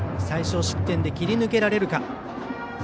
最少失点で切り抜けられるか。